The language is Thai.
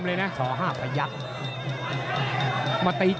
และเจดว่าบันทึกตรงเปลี่ยน